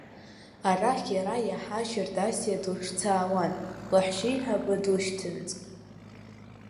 Арахь иара иаҳа Шьардасиа длыҿцаауан, лаҳәшьеиҳабы длышьҭанаҵ.